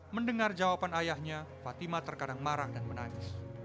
mendengar jawaban ayahnya fatima terkadang marah dan menangis